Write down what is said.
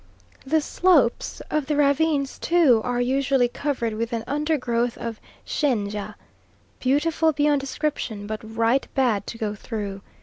The slopes of the ravines too are usually covered with an undergrowth of shenja, beautiful beyond description, but right bad to go through.